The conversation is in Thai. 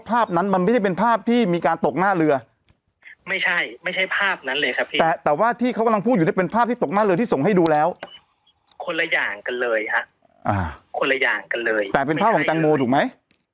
คนละอย่างกันเลยแต่เป็นภาพของตังโมถูกไหมถูกต้องซึ่งเป็นภาพส่วนตัวของน้องถูกไหม